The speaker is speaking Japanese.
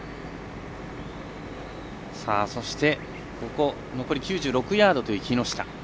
そして残り９６ヤードという木下。